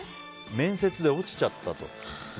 面接で落ちちゃったと。